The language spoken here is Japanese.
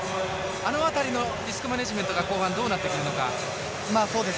あの辺りのリスクマネジメントが後半どうなってくるのか。